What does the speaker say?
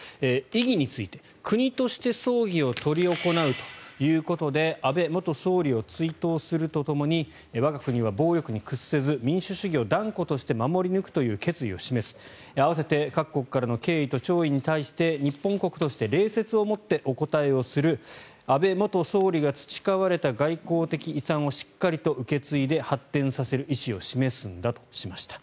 意義について、国として葬儀を執り行うということで安倍元総理を追悼するとともに我が国は暴力に屈せず民主主義を断固として守り抜く決意を示す併せて各国からの敬意と弔意に対して日本国として礼節をもってお応えをする安倍元総理が培われた外交的遺産をしっかりと引き継いで発展させる意思を示すんだとしました。